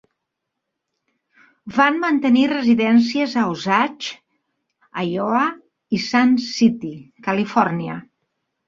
Van mantenir residències a Osage, Iowa i Sun City, Califòrnia.